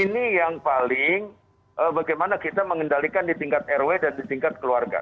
ini yang paling bagaimana kita mengendalikan di tingkat rw dan di tingkat keluarga